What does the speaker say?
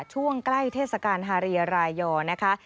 ช่วงใกล้เทศกาลฮาเรียรายอร์นะคะ